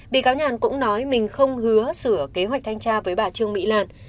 bị cáo nhàn cũng nói mình không hứa sửa kế hoạch thanh tra với bà trương mỹ lan